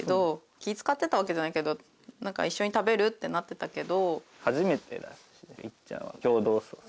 気遣ってたわけじゃないけど何か「一緒に食べる？」ってなってたけど。